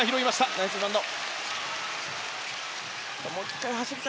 ナイスリバウンド。